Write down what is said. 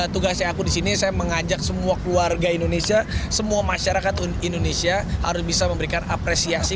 tugasnya aku disini saya mengajak semua keluarga indonesia semua masyarakat indonesia harus bisa memberikan apresiasi